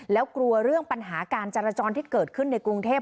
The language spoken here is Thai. แล้วกลัวเรื่องปัญหาการจรจรที่เกิดขึ้นในกรุงเทพ